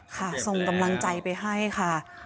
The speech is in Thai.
ส่งกำลังใจไปให้ค่ะ